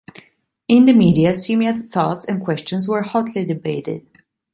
In the media, similar thoughts and questions were hotly debated.